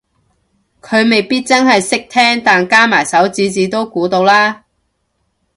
佢未必真係識聽但加埋手指指都估到啦